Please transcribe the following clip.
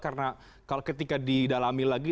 karena kalau ketika didalami lagi